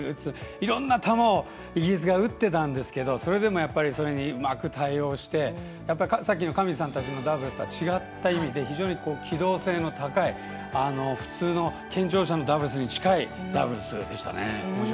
いろんな球をイギリスが打ってたんですけどそれでもそれにうまく対応して上地さんたちのダブルスと違って非常に機動性の高い普通の健常者のダブルスに近いダブルスでしたね。